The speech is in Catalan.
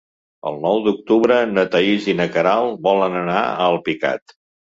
El nou d'octubre na Thaís i na Queralt volen anar a Alpicat.